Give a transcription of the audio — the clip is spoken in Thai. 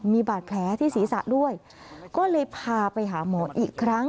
มีบาดแผลที่ศีรษะด้วยก็เลยพาไปหาหมออีกครั้ง